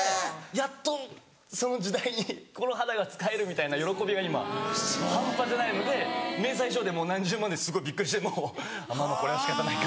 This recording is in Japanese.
やっとその時代にこの肌が使えるみたいな喜びが今半端じゃないので明細書でもう何十万ですごいびっくりしてもこれは仕方ないか。